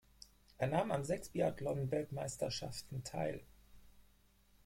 Er nahm an sechs Biathlon-Weltmeisterschaften teil.